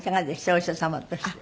お医者様として。